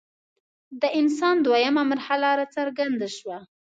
د انسان دویمه مرحله راڅرګنده شوه.